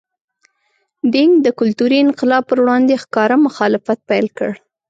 دینګ د کلتوري انقلاب پر وړاندې ښکاره مخالفت پیل کړ.